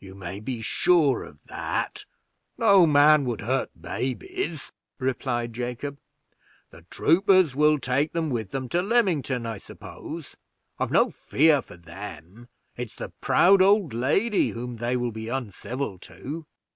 "You may be sure of that; no man would hurt babies," replied Jacob. "The troopers will take them with them to Lymington, I suppose. I've no fear for them; it's the proud old lady whom they will be uncivil to."